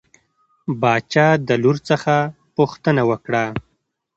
باچا د لور څخه پوښتنه وکړه.